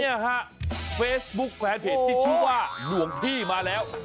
เนี่ยฮะเฟซบุ๊คแฟนเพจที่ชื่อว่าหลวงพี่มาแล้ว